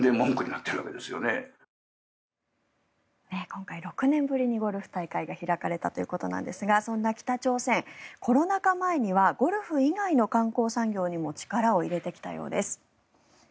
今回、６年ぶりにゴルフ大会が開かれたということなんですがそんな北朝鮮、コロナ禍前にはゴルフ以外の観光産業にも力を入れてきたようです。